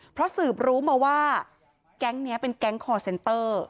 เพราะสืบรู้มาว่าแก๊งนี้เป็นแก๊งคอร์เซนเตอร์